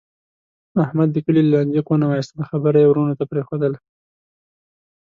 احمد د کلي له لانجې کونه و ایستله. خبره یې ورڼو ته پرېښودله.